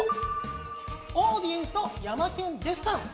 オーディエンスとヤマケン・デッサン。